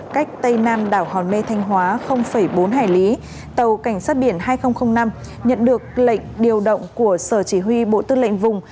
cách tây nam đảo hòn mê thanh hóa bốn hải lý tàu cảnh sát biển hai nghìn năm nhận được lệnh điều động của sở chỉ huy bộ tư lệnh vùng